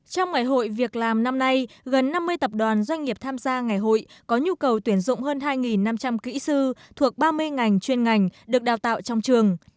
trong ngày hội việc làm năm nay gần năm mươi tập đoàn doanh nghiệp tham gia ngày hội có nhu cầu tuyển dụng hơn hai năm trăm linh kỹ sư thuộc ba mươi ngành chuyên ngành được đào tạo trong trường